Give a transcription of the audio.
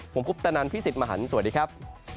ผมคุปตะนันพี่สิทธิ์มหันฯสวัสดีครับ